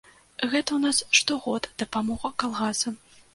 Гэта ў нас штогод дапамога калгасам.